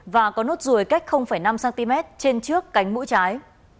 và có nốt ruồi cách năm cm trên trước cánh mũi trái